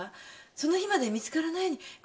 その日まで見つからないようにここに。